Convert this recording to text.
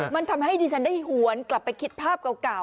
มันทำให้ดิฉันได้หวนกลับไปคิดภาพเก่า